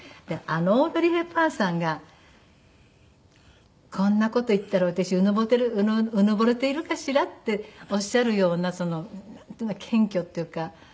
あのオードリー・ヘプバーンさんがこんな事言ったら私うぬぼれているかしら？っておっしゃるような謙虚っていうか。